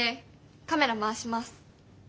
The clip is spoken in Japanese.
カメラ回します。